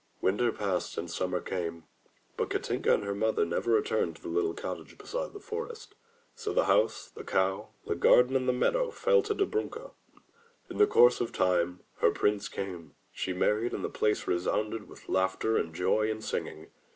Winter passed and summer came, but Katinka and her mother never returned to the little cottage beside the forest. So the house, the cow, the garden and the meadow fell to Dobrunka. In the cpurse of time her Prince came She married and the place resounded with laughter and joy and singing.